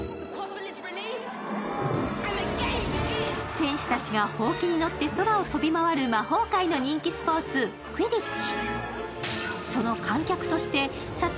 選手たちが箒に乗って空を飛び回る魔法界の人気スポーツ、クィディッチ。